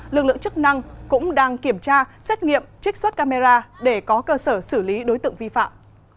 lực lượng chức năng cũng đang kiểm tra xét nghiệm trích xuất camera để có cơ sở xử lý đối tượng vi phạm